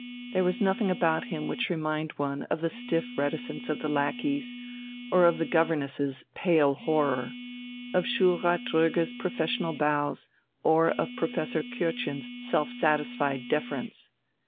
There was nothing about him which reminded one of the stiff reticence of the lackeys, of the governess's pale horror, of Schulrat Dröge's professional bows, or of Professor Kürtchen's self satisfied deference.